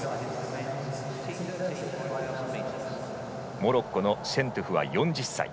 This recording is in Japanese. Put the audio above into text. モロッコのシェントゥフは４０歳。